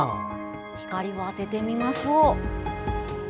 光を当ててみましょう。